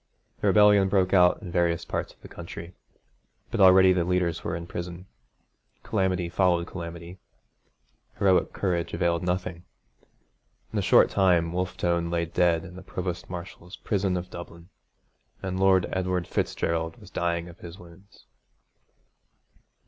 The rebellion broke out in various parts of the country, but already the leaders were in prison. Calamity followed calamity. Heroic courage availed nothing. In a short time Wolfe Tone lay dead in the Provost Marshal's prison of Dublin; and Lord Edward Fitzgerald was dying of his wounds.